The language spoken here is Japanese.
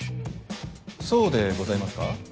そうでございますか？